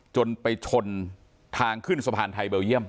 จนไปชนทางขึ้นสะพานไทยเบลเยี่ยม